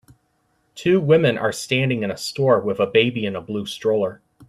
Two women are standing in a store with a baby in a blue stroller.